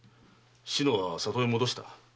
志乃は里へ戻した。